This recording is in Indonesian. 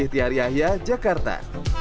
rizky tiar yahya jakarta